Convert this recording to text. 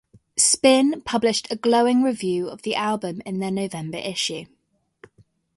"Spin" published a glowing review of the album in their November issue.